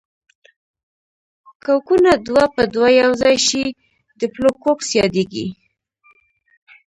کوکونه دوه په دوه یوځای شي ډیپلو کوکس یادیږي.